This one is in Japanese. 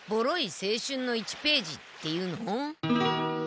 青春の１ページっていうの？